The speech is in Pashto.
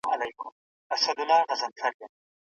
تاسو خپله هڅه وکړئ چې د خیر په کار کې مخکښ اوسئ.